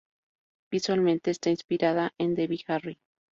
Visualmente, está inspirada en Debbie Harry.